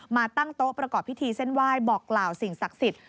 มาตั้งโต๊ะประกอบพิธีเส้นไหว้บอกกล่าวสิ่งศักดิ์สิทธิ์